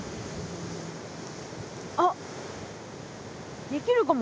あっできるかも。